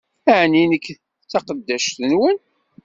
Ɛni nekk d taqeddact-nwen?